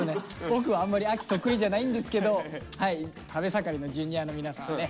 僕はあんまり秋得意じゃないんですけど食べ盛りのＪｒ．の皆さんはね